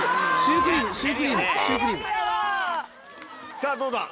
さぁどうだ？